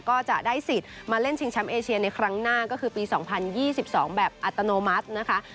ก็จะได้สิทธิ์มาเล่นชิงแชมป์เอเชียในครั้งหน้าก็คือปี๒๐๒๒แบบอัตโนมัตินะคะ